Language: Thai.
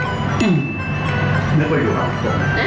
อื้มนึกว่าอยู่ครับ